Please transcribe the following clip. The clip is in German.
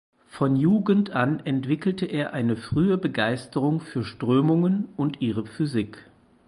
Von Jugend an entwickelte er eine frühe Begeisterung für Strömungen und ihre Physik.